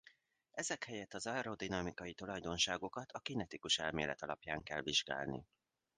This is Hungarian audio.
Ezek helyett az aerodinamikai tulajdonságokat a kinetikus elmélet alapján kell vizsgálni.